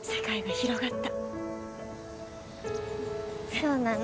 そうなの？